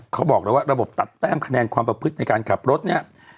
เขาบอกเลยว่าระบบตัดแต้มคะแนนความประพฤติในการขับรถเนี่ย